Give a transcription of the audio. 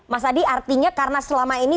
mas adi artinya karena selama ini